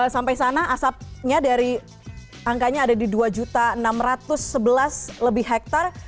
sampai sana asapnya dari angkanya ada di dua enam ratus sebelas lebih hektare